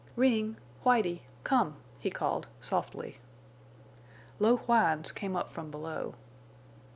"Ring—Whitie—come," he called, softly. Low whines came up from below.